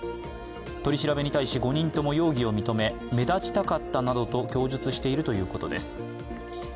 取り調べに対し５人とも容疑を認め目立ちたかったなどと供述しているということです。